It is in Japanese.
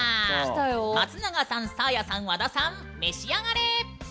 松永さん、サーヤさん、和田さん召し上がれ！